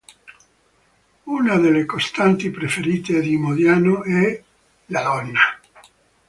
Una delle costanti preferite di Modiano è la donna.